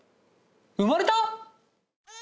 産まれた！？